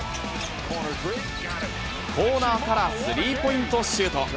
コーナーからスリーポイントシュート。